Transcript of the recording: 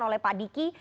oleh pak diki